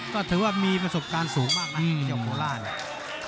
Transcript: ก็ถือว่ามีประสบการณ์สูงมากมากที่มีเจ้าโมร่าเนี่ย